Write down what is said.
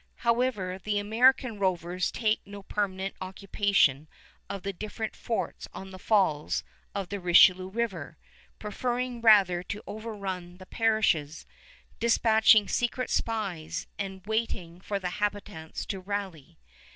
However, the American rovers take no permanent occupation of the different forts on the falls of the Richelieu River, preferring rather to overrun the parishes, dispatching secret spies and waiting for the habitants to rally.